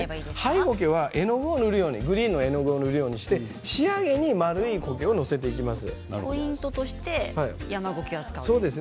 ハイゴケは絵の具を塗るようにして仕上げに丸いのを載せていきます。